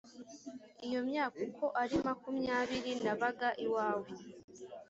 iyo myaka uko ari makumyabiri nabaga iwawe